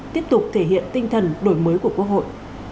tiếp tục thể hiện tinh thần đổi mới của quốc hội